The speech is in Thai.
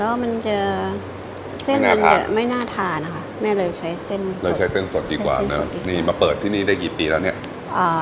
แล้วมันจะเส้นมันจะไม่น่าทานนะคะแม่เลยใช้เส้นเลยใช้เส้นสดดีกว่าเนอะนี่มาเปิดที่นี่ได้กี่ปีแล้วเนี่ยอ่า